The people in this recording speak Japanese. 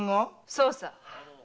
そうさ。